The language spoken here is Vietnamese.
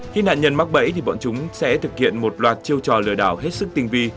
khi nạn nhân mắc bẫy thì bọn chúng sẽ thực hiện một loạt chiêu trò lừa đảo hết sức tinh vi